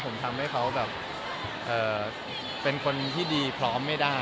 ผมทำให้เขาแบบเป็นคนที่ดีพร้อมไม่ได้